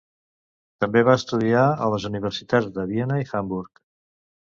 També va estudiar a les universitats de Viena i Hamburg.